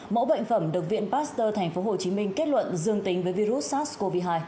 mẫu bệnh phẩm được viện pasteur thành phố hồ chí minh kết luận dương tính với virus sars cov hai